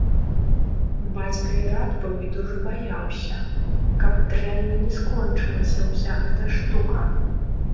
Бацька і рад быў і дужа баяўся, каб дрэнным не скончылася ўся гэта штука.